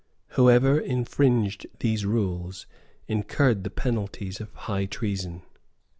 Whoever infringed these rules incurred the penalties of high treason.